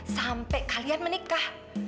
sampai kalian menikah